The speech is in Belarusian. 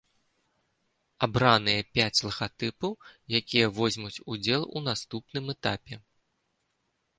Абраныя пяць лагатыпаў, якія возьмуць удзел у наступным этапе.